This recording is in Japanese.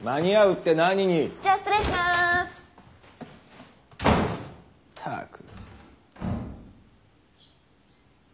・ったく。